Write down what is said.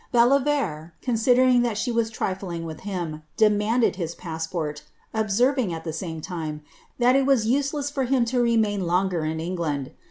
Bellievre, considering that she was tnSin; with him, demanded his passport, observing, at the same time, that it ou useless for him to remain longer in England.